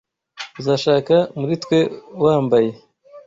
Uzashaka, muri twe wambaye